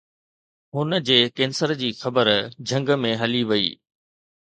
هن جي ڪينسر جي خبر جهنگ ۾ هلي وئي